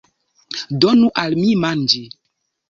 Donu al mi manĝi!